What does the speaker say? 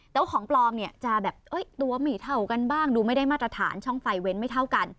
แต่ว่าของปลอมเนี่ยจะแบบตัวไม่เท่ากันบ้างดูไม่ได้มาตรฐานช่องไฟเว้นไม่เท่ากัน